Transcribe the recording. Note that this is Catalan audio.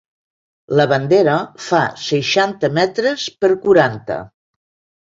La bandera fa seixanta metres per quaranta.